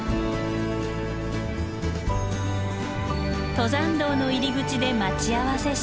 登山道の入り口で待ち合わせしたのは。